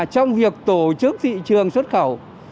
trong việc tổ chức thị trường xuất khẩu